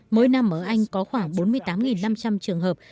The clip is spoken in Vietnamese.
mỗi năm ở anh có khoảng bốn mươi tám năm trăm linh trường hợp